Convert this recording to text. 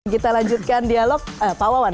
kita lanjutkan dialog pak wawan